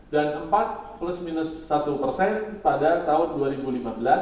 dan empat satu pada tahun dua ribu lima belas